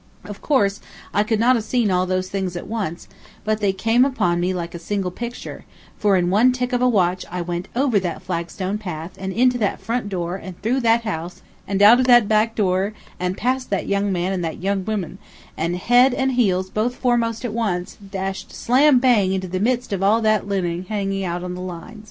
Of course, I could not have seen all those things at once, but they came upon me like a single picture, for in one tick of a watch I went over that flagstone path and into that front door and through that house and out of that back door, and past that young man and that young woman, and head and heels both foremost at once, dashed slam bang into the midst of all that linen hanging out on the lines.